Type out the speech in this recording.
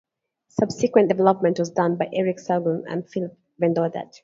Subsequent development was done by Eric Sauvageau and Phil Vedovatti.